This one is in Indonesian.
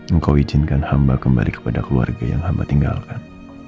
engkau izinkan hamba kembali kepada keluarga yang hamba tinggalkan